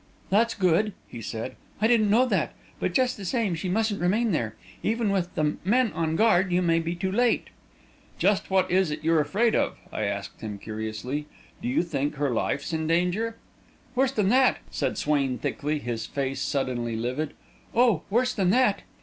"That's good," he said. "I didn't know that. But just the same, she mustn't remain there. Even with the men on guard, you may be too late." "Just what is it you're afraid of?" I asked him, curiously. "Do you think her life's in danger?" "Worse than that!" said Swain thickly, his face suddenly livid. "Oh, worse than that!"